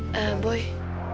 boy kenapa lagi sih ref